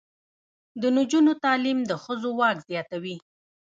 د نجونو تعلیم د ښځو واک زیاتوي.